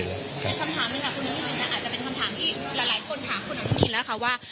คำถามนี้คุณอนุทินอาจจะเป็นคำถามที่หลายคนถามคุณอนุทินแล้วค่ะว่า